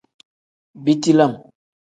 Biti lam.